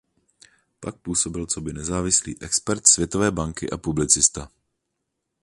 Pak působil coby nezávislý expert Světové banky a publicista.